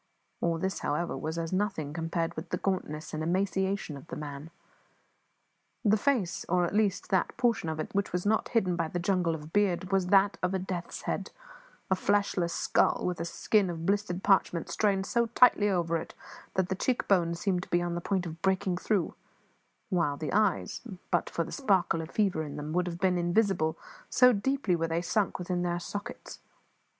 All this, however, was as nothing compared with the gauntness and emaciation of the man. The face, or at least that portion of it which was not hidden by the jungle of beard, was that of a death's head, a fleshless skull with a skin of blistered parchment strained so tightly over it that the cheek bones seemed to be on the point of breaking through; while the eyes, but for the sparkle of the fever in them, would have been invisible, so deeply were they sunk within their sockets.